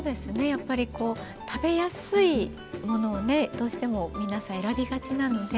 やっぱりこう食べやすいものをねどうしても皆さん選びがちなので。